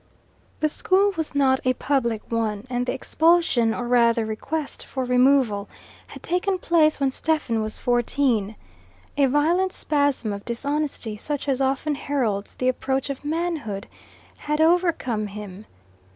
The school was not a public one, and the expulsion, or rather request for removal, had taken place when Stephen was fourteen. A violent spasm of dishonesty such as often heralds the approach of manhood had overcome him.